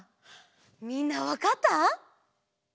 みんなわかった？